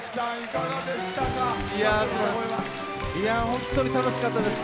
本当に楽しかったです。